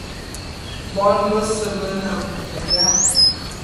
Bon bese be ne abum da.